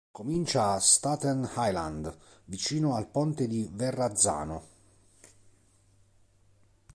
Comincia a Staten Island, vicino al ponte di Verrazzano.